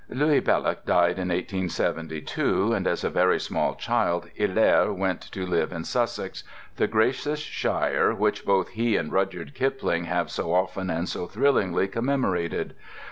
Louis Belloc died in 1872, and as a very small child Hilaire went to live in Sussex, the gracious shire which both he and Rudyard Kipling have so often and so thrillingly commemorated.